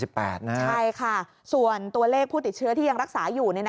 ใช่ค่ะส่วนตัวเลขผู้ติดเชื้อที่ยังรักษาอยู่